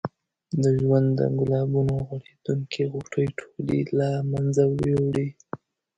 د ژوند د ګلابونو غوړېدونکې غوټۍ ټولې یې له منځه یوړې.